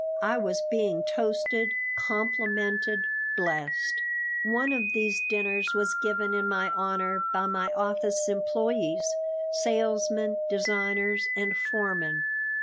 I was being toasted, complimented, blessed One of these dinners was given in my honor by my office employees, salesmen, designers, and foremen.